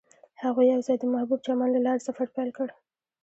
هغوی یوځای د محبوب چمن له لارې سفر پیل کړ.